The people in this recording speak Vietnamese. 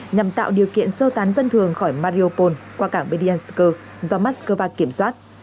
nhằm tạo điều kiện sơ tán dân thường khỏi mariupol qua cảng berenskoye do moscow kiểm soát